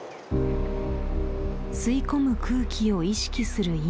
吸い込む空気を意識する